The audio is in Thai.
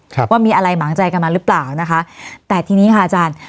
ครับว่ามีอะไรหมางใจกันมาหรือเปล่านะคะแต่ทีนี้ค่ะอาจารย์